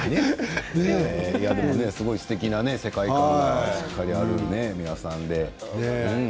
すごいすてきな世界観がしっかりある皆さんで。